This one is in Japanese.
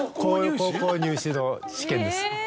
高校入試の試験です。